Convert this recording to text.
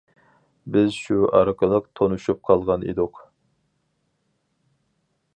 بىز شۇ ئارقىلىق تونۇشۇپ قالغان ئىدۇق.